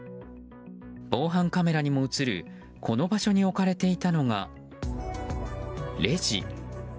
防犯カメラにも映るこの場所に置かれていたのがレジ。